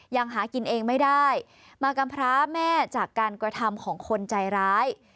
ยังหากินเองไม่ได้มากำพร้าแม่จากการกระทำของคนใจร้าย